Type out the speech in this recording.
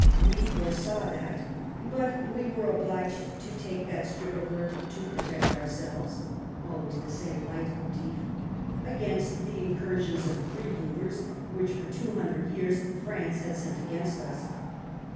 We foresaw that ; but we were obliged to take that strip of earth to protect ourselves [always the same leitmotif] against the incursions of freebooters, which, for two hundred years, France had sent against us.